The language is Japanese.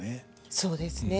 そうですね。